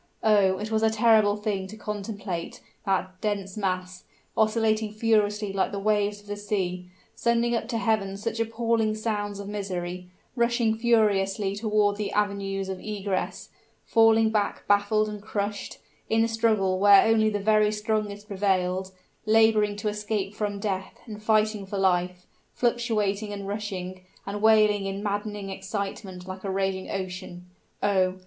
Oh! it was a terrible thing to contemplate, that dense mass, oscillating furiously like the waves of the sea, sending up to heaven such appalling sounds of misery, rushing furiously toward the avenues of egress, falling back baffled and crushed, in the struggle where only the very strongest prevailed, laboring to escape from death, and fighting for life, fluctuating and rushing, and wailing in maddening excitement like a raging ocean. Oh!